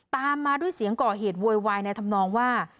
ตามมาด้วยเสียงก่อเหตุโวยวายในธรรมนองว่า